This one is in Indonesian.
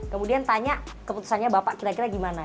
kemudian tanya keputusannya bapak kira kira gimana